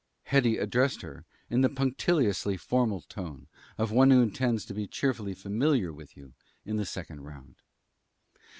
Hetty addressed her in the punctiliously formal tone of one who intends to be cheerfully familiar with you in the second round.